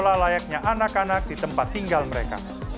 bermain bola layaknya anak anak di tempat tinggal mereka